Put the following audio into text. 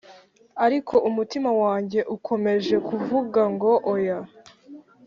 ariko umutima wanjye ukomeje kuvuga ngo oya.